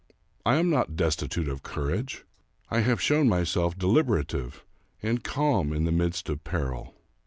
I am not destitute of courage. I have shown myself de liberative and calm in the midst of peril.